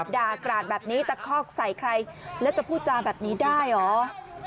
ด่ากราดแบบนี้ตะคอกใส่ใครแล้วจะพูดจาแบบนี้ได้เหรอ